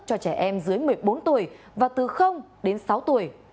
cho trẻ em dưới một mươi bốn tuổi và từ đến sáu tuổi